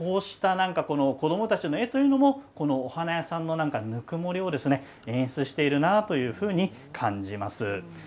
子どもたちの絵というのもお花屋さんの、ぬくもりを演出しているなと感じます。